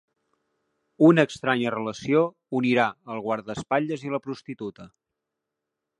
Una estranya relació unirà el guardaespatlles i la prostituta.